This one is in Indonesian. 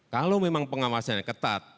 kalau memang pengawasan yang ketat